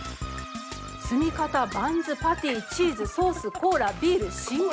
積み方バンズパティチーズソースコーラビール進化系。